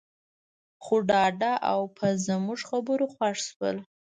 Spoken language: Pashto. خو ډاډه او په زموږ خبرو خوښ شول.